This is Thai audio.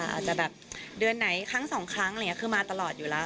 อาจจะแบบเดือนไหนครั้งสองครั้งคือมาตลอดอยู่แล้ว